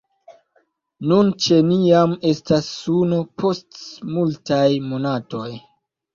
Nun ĉe ni jam estas suno post multaj monatoj.